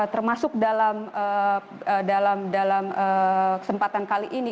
termasuk dalam kesempatan kali ini